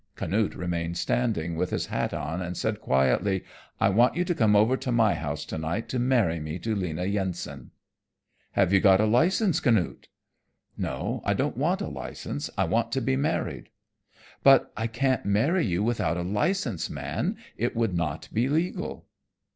Canute remained standing with his hat on and said quietly, "I want you to come over to my house tonight to marry me to Lena Yensen." "Have you got a license, Canute?" "No, I don't want a license. I want to be married." "But I can't marry you without a license, man. It would not be legal."